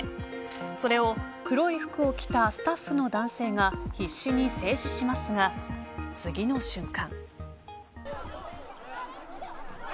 それを黒い服を着たスタッフの男性が必死に制止しますが次の瞬間。